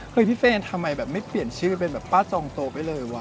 เฮ้ยพี่เฟนทำไมไม่เปลี่ยนชื่อเป็นป้าจองโต๊ะไปเลยวะ